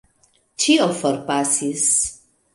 Ĉio forpasis.